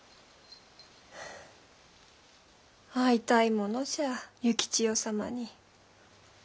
会いたいものじゃ幸千代様に。